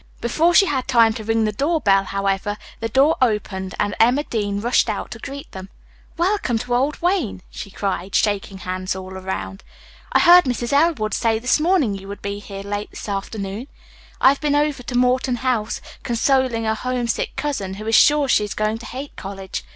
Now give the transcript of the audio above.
Before she had time to ring the door bell, however, the door opened and Emma Dean rushed out to greet them. "Welcome to old Wayne," she cried, shaking hands all around. "I heard Mrs. Elwood say this morning you would be here late this afternoon. I've been over to Morton House, consoling a homesick cousin who is sure she is going to hate college.